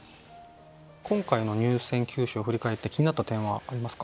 今回の入選九首を振り返って気になった点はありますか？